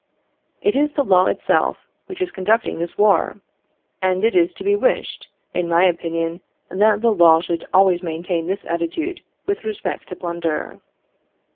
It is the law itself which is conducting this war, and it is to be wished, in my opinion, that the law should always maintain this attitude with respect to plunder.